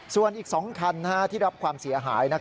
ส่วนอีก๒คันที่รับความเสียหาย